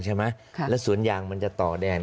ใช่ไหมแล้วสวนยางมันจะต่อแดน